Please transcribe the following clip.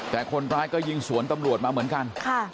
แต่คนร้ายก็ยิงสวนตำรวจมาเหมือนกัน